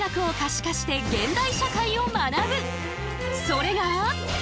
それが。